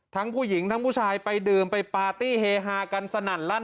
ทั้งผู้หญิงทั้งผู้ชายไปดื่มไปปาร์ตี้เฮฮากันสนั่นลั่น